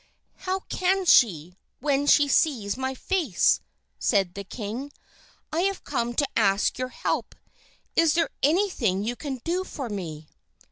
"How can she, when she sees my face?" said the king. "I have come to ask your help. Is there anything you can do for me?"